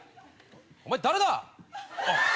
お前誰だ？